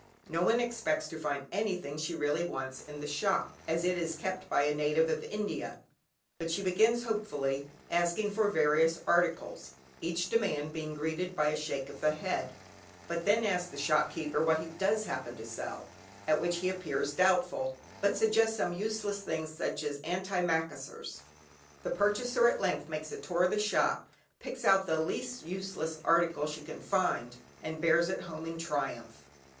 No one expects to find anything she really wants in the shop, as it is kept by a native of India, but she begins hopefully asking for various articles, each demand being greeted by a shake of the head. She then asks the shopkeeper what he does happen to sell, at which he appears doubtful, but suggests some useless thing such as antimacassars. The purchaser at length makes a tour of the shop, picks out the least useless article she can find, and bears it home in triumph.